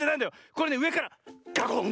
これねうえからガコン！